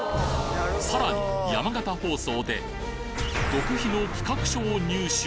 さらに山形放送で極秘の企画書を入手。